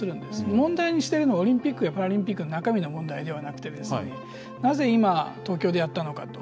問題にしているのはオリンピック・パラリンピックの中身の問題ではなくてですねなぜ今、東京でやったのかと。